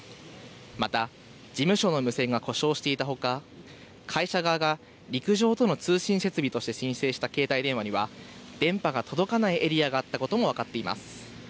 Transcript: また事務所の無線が故障していたほか会社側が陸上との通信設備として申請した携帯電話には電波が届かないエリアがあったことも分かっています。